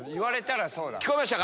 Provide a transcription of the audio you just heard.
聞こえましたか？